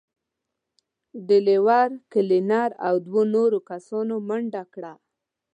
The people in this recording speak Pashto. ډرېور، کلينر او دوو نورو کسانو منډه کړه.